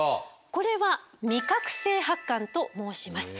これは味覚性発汗と申します。